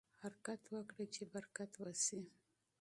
حرکت وکړئ چې برکت وشي.